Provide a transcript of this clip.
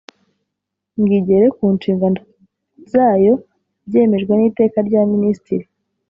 ngo igere ku nshingano zayo byemejwe n iteka rya minisitiri